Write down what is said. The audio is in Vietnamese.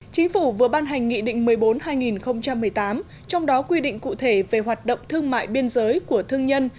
chính phủ vừa ban hành nghị định một mươi bốn hai nghìn một mươi tám trong đó quy định cụ thể về hoạt động thương mại biên giới của thương nhân